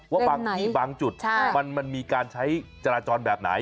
ว่าบางที่บางจุดมันมีการใช้จราจรแบบไหน